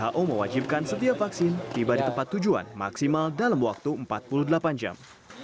who mewajibkan setiap vaksin tiba di tempat tujuan maksimal dalam waktu empat puluh delapan jam